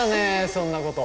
そんなこと！